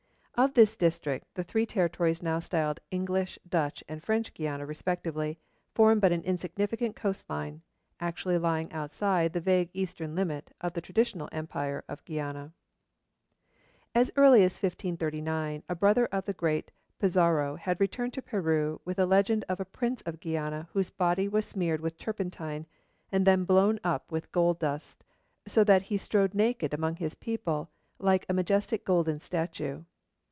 Of this district the three territories now styled English, Dutch, and French Guiana respectively form but an insignificant coast line, actually lying outside the vague eastern limit of the traditional empire of Guiana. As early as 1539 a brother of the great Pizarro had returned to Peru with a legend of a prince of Guiana whose body was smeared with turpentine and then blown upon with gold dust, so that he strode naked among his people like a majestic golden statue.